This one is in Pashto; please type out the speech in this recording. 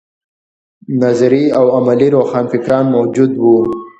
نظري او عملي روښانفکران موجود وو.